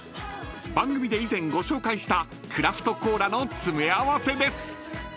［番組で以前ご紹介したクラフトコーラの詰め合わせです］